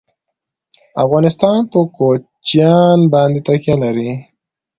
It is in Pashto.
افغانستان په کوچیان باندې تکیه لري.